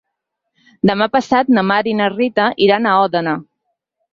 Demà passat na Mar i na Rita iran a Òdena.